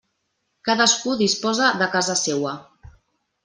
Cadascú disposa de casa seua.